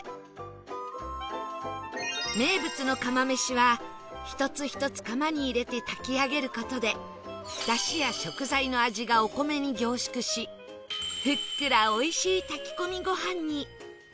名物の釜飯は一つ一つ釜に入れて炊き上げる事でだしや食材の味がお米に凝縮しふっくらおいしい炊き込みご飯に